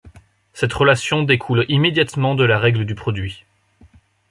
Cette relation découle immédiatement de la règle du produit.